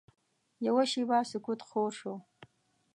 یوه شېبه سکوت خور شو.